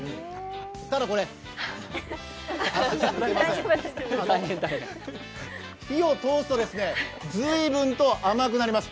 ただこれ火を通すとずいぶんと甘くなります。